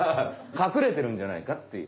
かくれてるんじゃないかっていう。